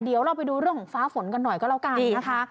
เดี๋ยวเราไปดูเรื่องของฟ้าฝนกันหน่อยก็แล้วกันนะคะ